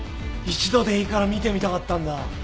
一度でいいから見てみたかったんだ。